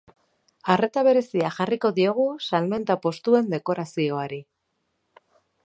Arreta berezia jarriko diogu salmenta postuen dekorazioari.